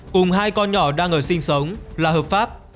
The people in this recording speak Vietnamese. cùng hai con nhỏ đang ở sinh sống là hợp pháp